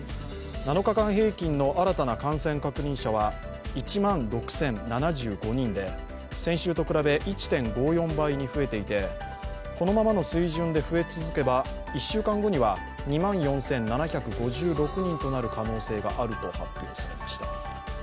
７日間平均の新たな感染確認者は１万６０７５人で先週と比べ１．５４倍に増えていて、このままの水準で増え続ければ、１週間後には２万４７５６人となる可能性があると発表されました。